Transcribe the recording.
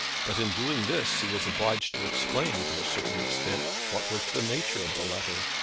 But in doing this he was obliged to explain, to a certain extent, what was the nature of the letter.